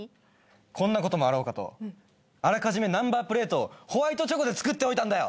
こんなこともあろうかと予めナンバープレートをホワイトチョコで作っておいたんだよ！